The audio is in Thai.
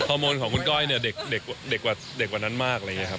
มูลของคุณก้อยเนี่ยเด็กกว่านั้นมากอะไรอย่างนี้ครับ